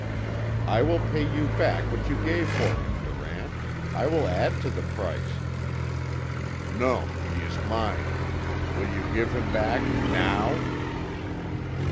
"I will pay you back what you gave for him, Durant. I will add to the price." "Non. He is mine. Will you give him back NOW?"